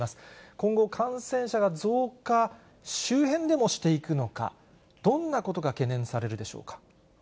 今後、感染者が増加、周辺でもしていくのか、どんなことが懸念されるでしょうか。